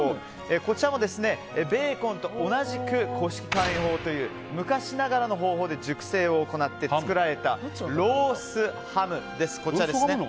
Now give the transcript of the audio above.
こちらもベーコンと同じく古式乾塩法という昔ながらの方法で熟成を行われたロースハムです。